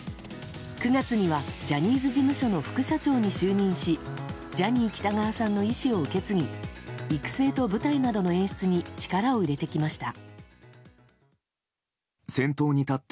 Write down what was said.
９月にはジャニーズ事務所の副社長に就任しジャニー喜多川さんの遺志を受け継ぎ育成と舞台などの演出に力を入れてきました。